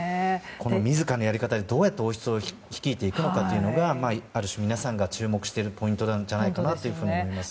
自らのやり方でどうやって王室を率いていくのかある種、皆さんが注目しているポイントなんじゃないかと思います。